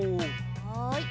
はい。